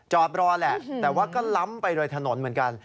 จอดรอแหละแต่ว่าก็ล้ำไปโดยถนนเหมือนกัน